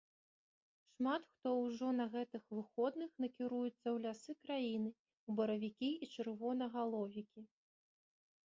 Шмат хто ўжо на гэтых выходных накіруецца ў лясы краіны ў баравікі і чырвонагаловікі.